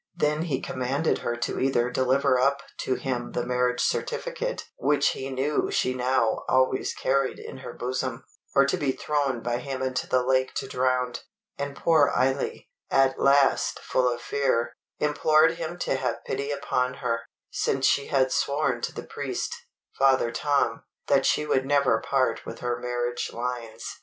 Then he commanded her to either deliver up to him the marriage certificate which he knew she now always carried in her bosom, or be thrown by him into the lake to drown; and poor Eily, at last full of fear, implored him to have pity upon her, since she had sworn to the priest, Father Tom, that she would never part with her marriage lines.